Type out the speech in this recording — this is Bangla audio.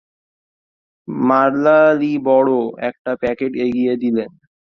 মারলা লি বড় একটা প্যাকেট এগিয়ে দিলেন।